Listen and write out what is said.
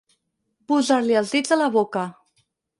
Posar-li els dits a la boca.